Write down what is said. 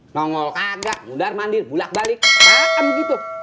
nongol kagak mundar mandir bulak balik pakem gitu